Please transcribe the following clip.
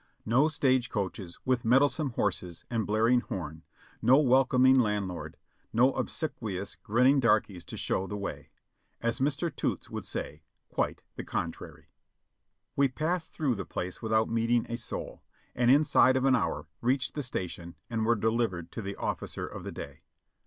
No stage coaches with mettlesome horses and blaring horn, no welcoming landlord, no obsequious, grinning darkies to show the way ; as Mr. Toots would say, "Quite the contrary." We passed through the place without meeting a soul, and inside of an hour reached the station and were delivered to the ofificer of the day.